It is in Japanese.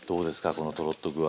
このトロッと具合。